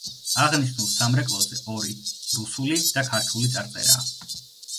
აღნიშნულ სამრეკლოზე ორი რუსული და ქართული წარწერაა.